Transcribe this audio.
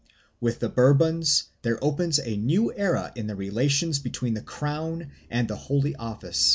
With the Bourbons there opens a new era in the relations between the crown and the Holy Office.